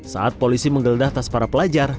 saat polisi menggeledah tas para pelajar